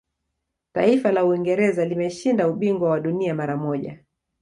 taifa la uingereza limeshinda ubingwa wa dunia mara moja